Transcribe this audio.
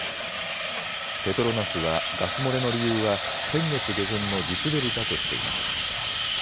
ペトロナスはガス漏れの理由は先月下旬の地滑りだとしています。